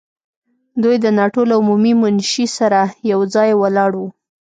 دوی د ناټو له عمومي منشي سره یو ځای ولاړ وو.